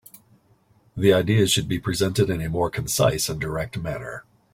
The ideas should be presented in a more concise and direct manner.